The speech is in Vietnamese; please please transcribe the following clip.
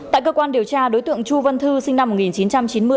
tại cơ quan điều tra đối tượng chu văn thư sinh năm một nghìn chín trăm chín mươi